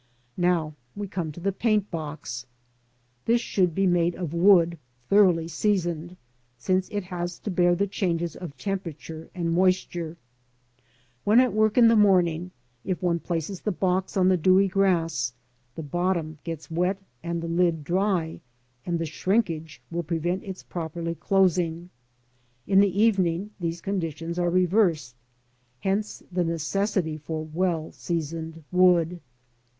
Now we come to the paint box. This should be made of wood, thoroughly seasoned, since it has to bear the changes of temperature and moisture. When at work in the morning, if one places the box on the dewy grass, the bottom gets wet and the lid dry, and the shrinkage will prevent its properly closing. In the evening these conditions are reversed ; hence the necessity for well seasoned wood.